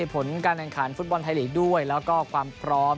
ผลการแข่งขันฟุตบอลไทยลีกด้วยแล้วก็ความพร้อม